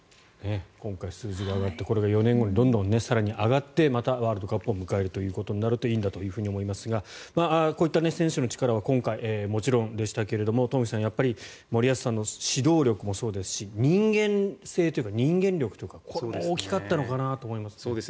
今回、数字が上がってこれが４年後に更にどんどん上がってまたワールドカップを迎えるということになるといいんだと思いますがこういった選手の力は今回もちろんでしたがトンフィさん、やっぱり森保さんの指導力もそうですし人間性というか人間力というのがこれは大きかったのかなと思います。